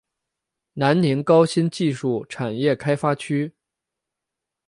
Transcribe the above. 南宁高新技术产业开发区